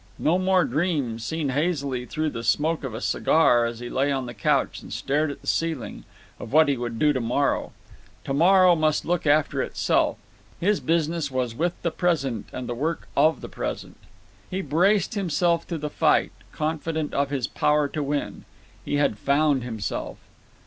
No more dreams, seen hazily through the smoke of a cigar, as he lay on the couch and stared at the ceiling, of what he would do to morrow. To morrow must look after itself. His business was with the present and the work of the present. He braced himself to the fight, confident of his power to win. He had found himself.